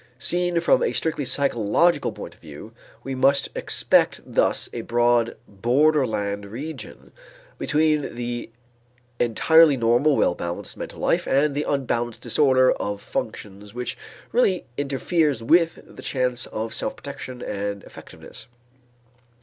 Seen from a strictly psychological point of view, we must expect thus a broad borderland region between the entirely normal well balanced mental life and that unbalanced disorder of functions which really interferes with the chance for self protection and effectiveness.